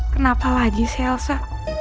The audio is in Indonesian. kenapa lagi sih elsa